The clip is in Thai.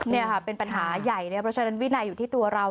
นี่ค่ะเป็นปัญหาใหญ่นะเพราะฉะนั้นวินัยอยู่ที่ตัวเรา